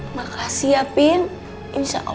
gak usah dipikirin teh